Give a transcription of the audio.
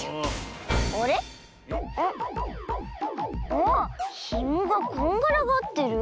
ああひもがこんがらがってる。